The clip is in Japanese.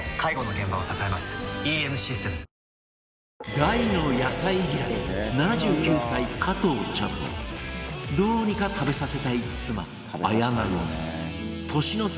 大の野菜嫌い７９歳加藤茶とどうにか食べさせたい妻綾菜の年の差